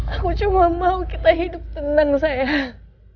aku cuma mau kita hidup tenang sehat